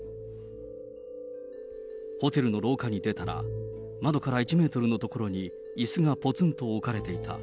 ホテルの廊下に出たら、窓から１メートルの所に、いすがぽつんと置かれていた。